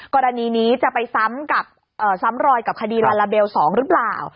กรณีนี้จะไปซ้ำกับซ้ำรอยกับคดีลาลาเบล๒หรือเปล่า